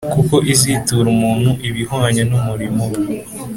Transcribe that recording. kuko izitūra umuntu ibihwanye n’umurimo we